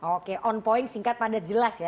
oke on point singkat padat jelas ya